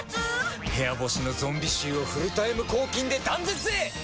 部屋干しのゾンビ臭をフルタイム抗菌で断絶へ！